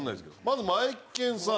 まずマエケンさん。